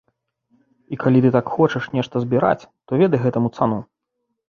І калі ты так хочаш нешта збіраць, то ведай гэтаму цану.